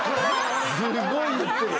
すごい言ってる。